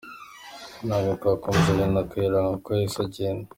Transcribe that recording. Ntabwo twakomezanyije na Kayiranga kuko yahise agenda.